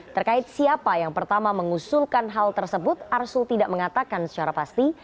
terkait siapa yang pertama mengusulkan hal tersebut arsul tidak mengatakan secara pasti